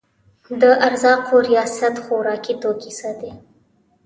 د ارزاقو ریاست خوراکي توکي ساتي